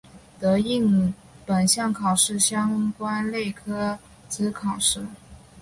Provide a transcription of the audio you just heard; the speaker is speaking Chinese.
得应本项考试相关类科之考试。